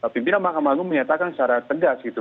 pimpinan mahkamah agung menyatakan secara tegas gitu